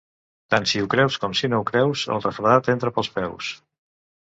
Tant si ho creus com si no ho creus, el refredat entra pels peus.